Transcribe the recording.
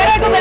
ya aku juga